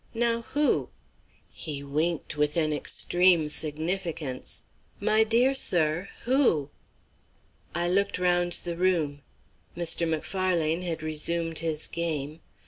Now who?" He winked with an extreme significance. "My dear sir, who?" I looked round the room. Mr. Macfarlane had resumed his game.